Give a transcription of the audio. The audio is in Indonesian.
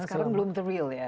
sekarang belum the real ya